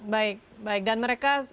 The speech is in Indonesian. baik baik dan mereka